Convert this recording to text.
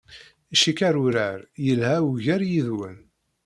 Cikkeɣ urar yelha ugar yid-wen.